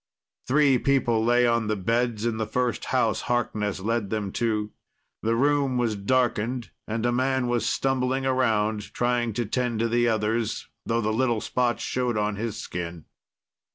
Three people lay on the beds in the first house Harkness led them to. The room was darkened, and a man was stumbling around, trying to tend the others, though the little spots showed on his skin.